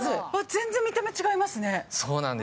全然見た目違いますね。